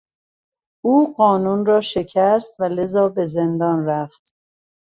او قانون را شکست و لذا به زندان رفت.